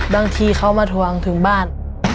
บางทีเขามาทวงถึงบ้าน